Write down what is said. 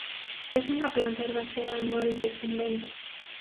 Es una planta herbácea anual; decumbente.